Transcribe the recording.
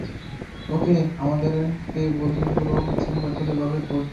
ওকে, আমাদেরকে বগিগুলো বিচ্ছিন্ন করতে হলে এভাবে করতে হবে।